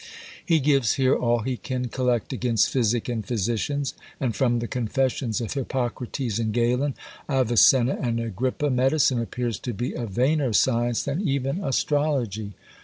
He gives here all he can collect against physic and physicians; and from the confessions of Hippocrates and Galen, Avicenna and Agrippa, medicine appears to be a vainer science than even astrology!